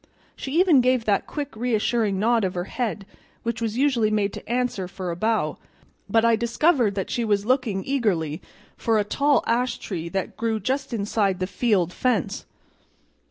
She even gave that quick reassuring nod of her head which was usually made to answer for a bow, but I discovered that she was looking eagerly at a tall ash tree that grew just inside the field fence.